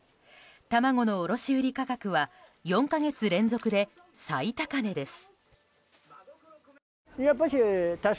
卵の卸売価格は４か月連続で最高値です。